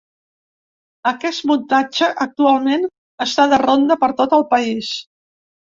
Aquest muntatge actualment està de ronda per tot el país.